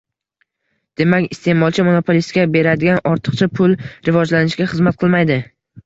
Demak, isteʼmolchi monopolistga beradigan orticha pul rivojlanishga hizmat qilmaydi.